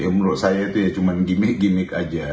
ya menurut saya itu ya cuma gimmick gimmick aja